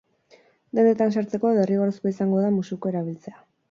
Dendetan sartzeko derrigorrezkoa izango da musuko erabiltzea.